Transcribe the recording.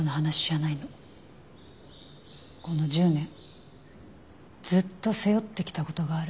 この１０年ずっと背負ってきたことがある。